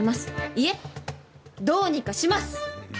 いえ、どうにかします！